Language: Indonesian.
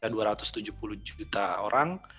dua ratus tujuh puluh juta orang